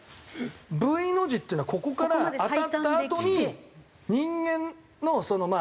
Ｖの字っていうのはここから当たったあとに人間のまあ